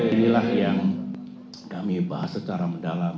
inilah yang kami bahas secara mendalam